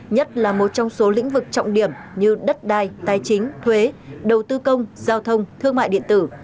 nhất là một trong số lĩnh vực trọng điểm như đất đai tài chính thuế đầu tư công giao thông thương mại điện tử